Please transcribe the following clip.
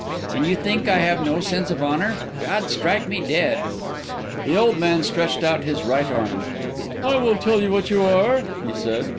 And you think I have no sense of honour—God strike me dead!" The old man stretched out his right arm. "I will tell you what you are," he said.